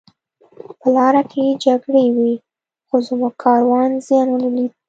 په لاره کې جګړې وې خو زموږ کاروان زیان ونه لید